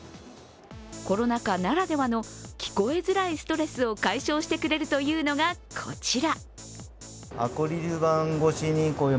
コロナ禍ならではの聞こえづらいストレスを解消してくれるというのがこちら。